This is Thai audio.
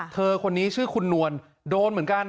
เธอคนนี้ชื่อคุณนวลโดนเหมือนกัน